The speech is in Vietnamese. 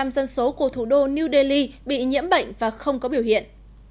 một mươi dân số của thủ đô new delhi bị nhiễm bệnh và không có biểu hiện